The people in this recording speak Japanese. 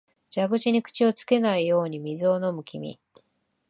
蛇口に口をつけないように水を飲む君、